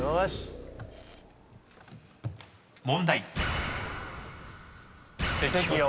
［問題］